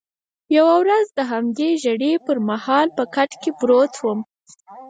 یوه ورځ د همدې ژېړي پر مهال په کټ کې پروت وم.